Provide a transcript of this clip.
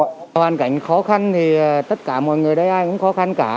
ngoài ra trong hoàn cảnh khó khăn thì tất cả mọi người ở đây ai cũng khó khăn cả